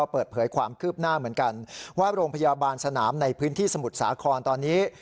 เปิดเผยความคืบหน้าเหมือนกันว่าโรงพยาบาลสนามในพื้นที่สมุทรสาครตอนนี้